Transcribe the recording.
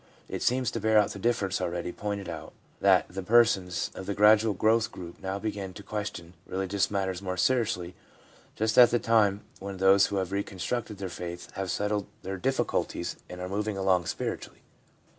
It seems to bear out the difference already pointed out, that the persons of the gradual growth group now begin to question religious matters more seriously just at the time when those who have reconstructed their faith have settled their difficulties and are moving along spiritually.